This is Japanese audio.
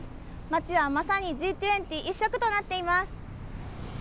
街はまさにＧ２０一色となっています。